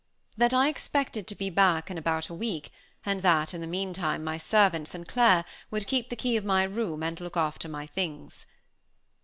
That I expected to be back in about a week, and that in the meantime my servant, St. Clair, would keep the key of my room and look after my things.